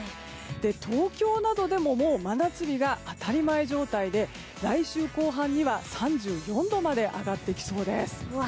東京などでも真夏日が当たり前状態で来週後半には３４度まで上がってきそうです。